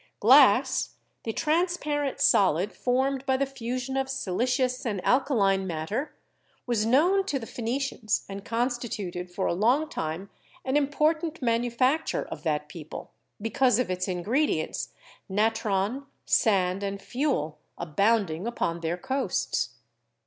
Glass, the transparent solid formed by the fusion of 20 CHEMISTRY siliceous and alkaline matter, was known to the Pheni cians and constituted for a long time an important manu facture of that people, because of its ingredients — natron, sand and fuel — abounding upon their coasts.